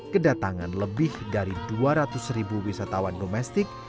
kedatangan lebih dari dua ratus ribu wisatawan domestik